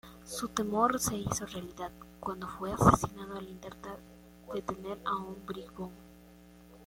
Su temor se hizo realidad cuando fue asesinado al intentar detener a un bribón.